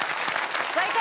最高！